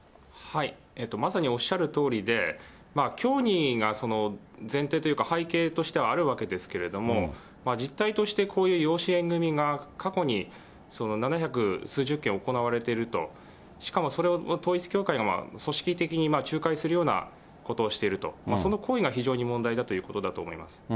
まさにおっしゃるとおりで、教義が前提というか、背景としてはあるわけですけれども、実態としてこういう養子縁組が、過去に七百数十件、行われていると、しかもそれを統一教会が組織的に仲介するようなことをしていると、その行為が非常に問題だということだと思います。